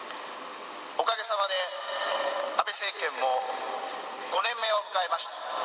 おかげさまで、安倍政権も５年目を迎えました。